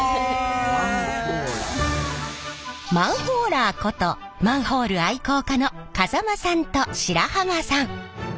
マンホーラーことマンホール愛好家の風間さんと白浜さん。